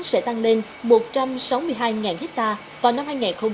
sẽ tăng lên một trăm sáu mươi hai hectare vào năm hai nghìn hai mươi